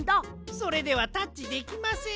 それではタッチできません。